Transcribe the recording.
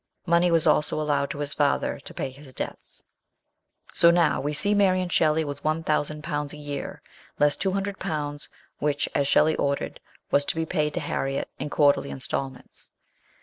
Money was also allowed by his father to pay his debts. BIRTH OF A CHILD. 87 So now we see Mary and Shelley with one thousand pounds a year, less two hundred pounds which, as Shelley ordered, was to be paid to Harriet in quarterly instalments.